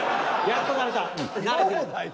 やっと慣れた。